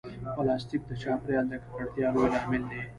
پلاستيک د چاپېریال د ککړتیا لوی لامل دی.